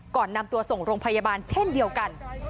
ก่อนนำตัวส่งโรงพยาบาลเช่นเดียวกัน